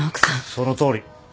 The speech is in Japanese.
そのとおり。